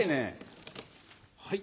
はい！